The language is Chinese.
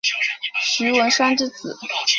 徐文铨之子。